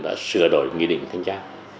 đã sửa đổi nghị định thanh tra